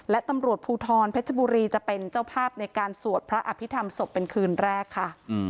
และตำรวจภูทรเพชรบุรีจะเป็นเจ้าภาพในการสวดพระอภิษฐรรมศพเป็นคืนแรกค่ะ